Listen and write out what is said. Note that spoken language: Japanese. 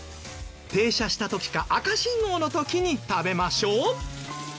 停車した時か赤信号の時に食べましょう。